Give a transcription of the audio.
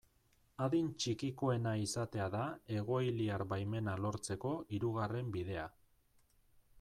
Adin txikikoena izatea da egoiliar baimena lortzeko hirugarren bidea.